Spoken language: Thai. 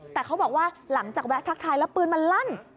แต่เขาบอกว่าหลังจากแวะทักทายแล้วปืนมันลั่น